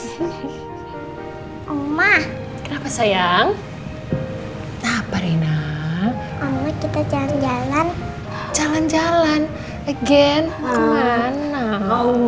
hai omah kenapa sayang tak berhina kita jalan jalan jalan jalan again mana mau